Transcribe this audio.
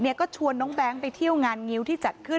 ก็ชวนน้องแบงค์ไปเที่ยวงานงิ้วที่จัดขึ้น